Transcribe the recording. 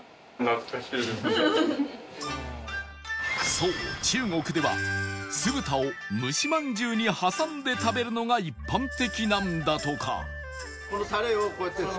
そう中国では酢豚を蒸しまんじゅうに挟んで食べるのが一般的なんだとか